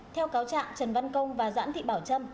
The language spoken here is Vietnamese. theo cáo trạng trần văn công và doãn thị bảo trâm